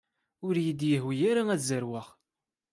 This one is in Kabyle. Ur iyi-d-yehwi ara ad zerweɣ.